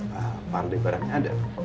pak par dek barangnya ada